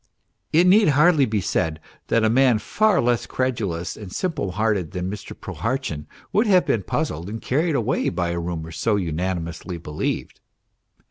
It need hardly be said that a man far less credulous and simple hearted than Mr. Prohartchin would have been puzzled and carried away by a rumour so unanimously believed.